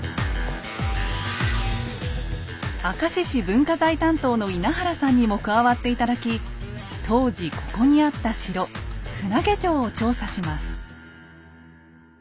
明石市文化財担当の稲原さんにも加わって頂き当時ここにあった城船上城を調査します。